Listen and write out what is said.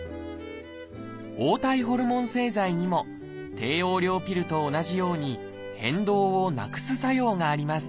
黄体ホルモン製剤にも低用量ピルと同じように変動をなくす作用があります。